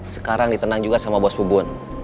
sekarang ditenang juga sama bos bubun